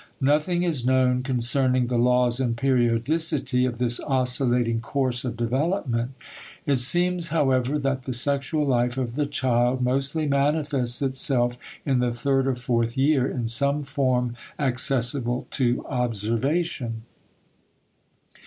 Nothing is known concerning the laws and periodicity of this oscillating course of development. It seems, however, that the sexual life of the child mostly manifests itself in the third or fourth year in some form accessible to observation.